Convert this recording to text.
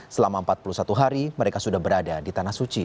selama empat puluh satu hari mereka sudah berada di tanah suci